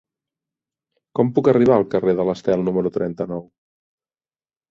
Com puc arribar al carrer de l'Estel número trenta-nou?